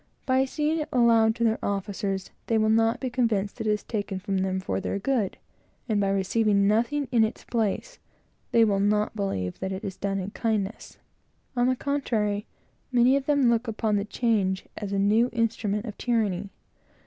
By seeing it allowed to their officers, they will not be convinced that it is taken from them for their good; and by receiving nothing in its place, they will not believe that it is done in kindness. On the contrary, many of them look upon the change as a new instrument of tyranny.